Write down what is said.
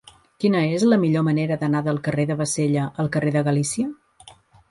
Quina és la millor manera d'anar del carrer de Bassella al carrer de Galícia?